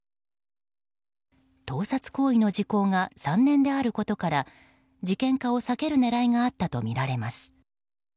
盗撮行為の時効が３年であることから事件化を避ける狙いがあったとみられます。